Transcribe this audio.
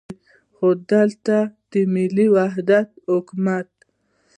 خو دلته د ملي وحدت حکومت.